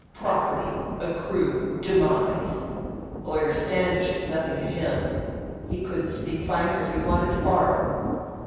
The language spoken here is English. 'property'—accrue—demise! Lawyer Standish is nothing to him. He couldn't speak finer if he wanted to borrow.